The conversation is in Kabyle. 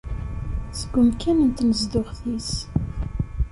Seg umkan n tnezduɣt-is.